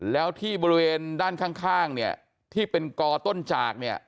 แล้วที่บริเวณด้านข้างเนี่ยที่เป็นกอต้นจากเนี่ย